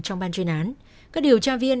trong ban chuyên án các điều tra viên